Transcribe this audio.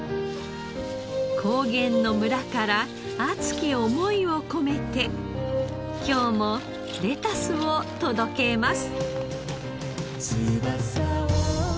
高原の村から熱き思いを込めて今日もレタスを届けます。